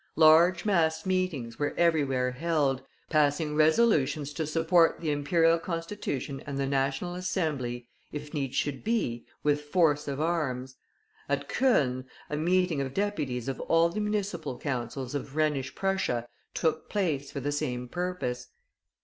Large mass meetings were everywhere held, passing resolutions to support the Imperial Constitution and the National Assembly, if need should be, with force of arms. At Cologne, a meeting of deputies of all the municipal councils of Rhenish Prussia took place for the same purpose.